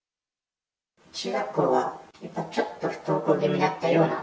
中学校はやっぱちょっと不登校気味だったような。